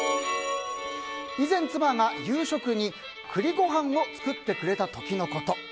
以前、妻が夕食に栗ご飯を作ってくれた時のこと。